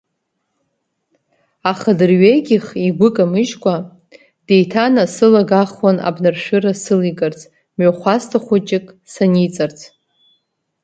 Аха дырҩегьых игәы камыжькәа деиҭанасылагахуан абнаршәыра сылигарц, мҩахәасҭа хәыҷык саниҵарц.